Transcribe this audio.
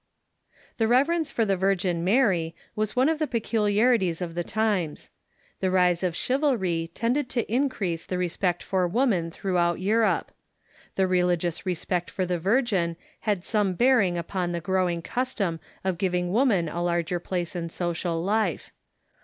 The reverence for the Virgin Mary was one of the peculiari ties of the times. The rise of chivalry tended to increase the respect for woman throughout Europe. The re Reverencefor Jicrious respect for the Viroin had some bearing the Virgin Mary = i ,»..^ upon the growing custom of giving woman a larger place in social life.